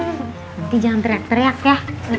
nanti jangan teriak teriak ya